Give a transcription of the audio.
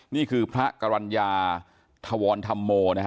นี่คือพระกรรยาธวร์นธรรโม